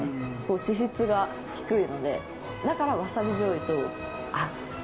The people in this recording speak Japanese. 脂質が低いので、だから、わさびじょうゆと合う。